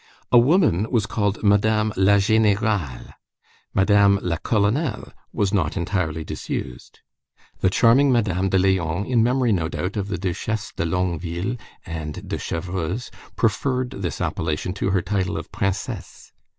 A woman was called Madame la Générale. Madame la Colonelle was not entirely disused. The charming Madame de Léon, in memory, no doubt, of the Duchesses de Longueville and de Chevreuse, preferred this appellation to her title of Princesse.